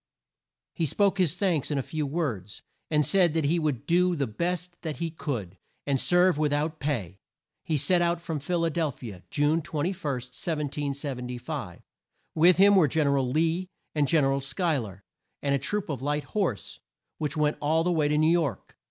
He spoke his thanks in a few words, and said that he would do the best that he could, and serve with out pay. He set out from Phil a del phi a June 21, 1775. With him were Gen er al Lee and Gen er al Schuy ler, and a troop of light horse, which went all the way to New York.